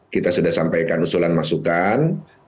kita sudah sampaikan usulan masukan